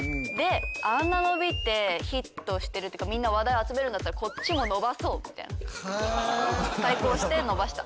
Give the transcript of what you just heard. あんな伸びてヒットしてるっていうかみんな話題を集めるんだったらこっちも対抗して伸ばした。